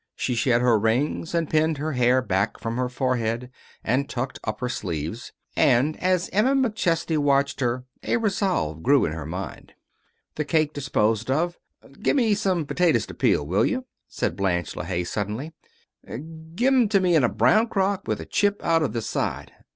She shed her rings, and pinned her hair back from her forehead, and tucked up her sleeves, and as Emma McChesney watched her a resolve grew in her mind. The cake disposed of "Give me some potatoes to peel, will you?" said Blanche LeHaye, suddenly. "Give 'em to me in a brown crock, with a chip out of the side.